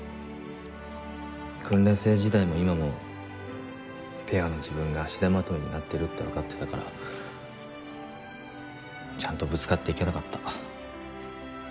訓練生時代も今もペアの自分が足手まといになってるってわかってたからちゃんとぶつかっていけなかった。